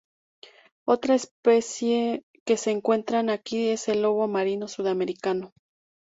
Otra especie que se encuentran aquí es el lobo marino sudamericano.